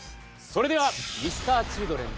それではＭｒ．Ｃｈｉｌｄｒｅｎ